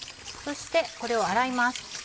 そしてこれを洗います。